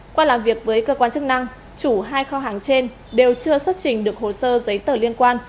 qua làm việc với cơ quan chức năng chủ hai kho hàng trên đều chưa xuất trình được hồ sơ giấy tờ liên quan